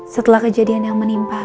setelah kejadian yang menimpa